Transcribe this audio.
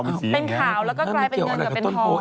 เป็นข่าวแล้วก็กลายเป็นเงินกับเป็นทอง